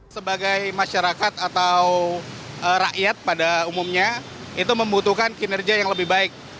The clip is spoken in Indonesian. sebagai masyarakat atau rakyat pada umumnya itu membutuhkan kinerja yang lebih baik